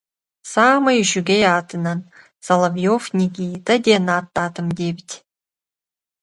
Саамай үчүгэй аатынан, Соловьев Никита, диэн ааттаатым диэбит